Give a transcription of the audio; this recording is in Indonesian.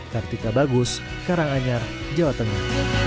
kartika bagus karanganyar jawa tengah